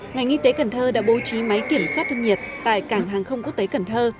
ngành y tế cần thơ đã bố trí máy kiểm soát thân nhiệt tại cảng hàng không quốc tế cần thơ